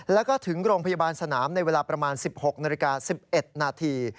แล้วก็ถึงโรงพยาบาลสนามในเวลาประมาณ๑๖นาฬิกา๑๑นาที